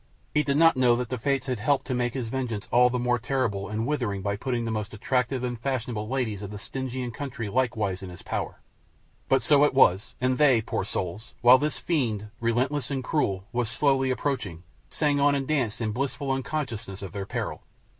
He did not know that the Fates had helped to make his vengeance all the more terrible and withering by putting the most attractive and fashionable ladies of the Stygian country likewise in his power; but so it was, and they, poor souls, while this fiend, relentless and cruel, was slowly approaching, sang on and danced on in blissful unconsciousness of their peril.